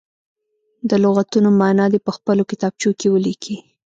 د لغتونو معنا دې په خپلو کتابچو کې ولیکي.